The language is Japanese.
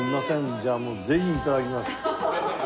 じゃあもうぜひ頂きます。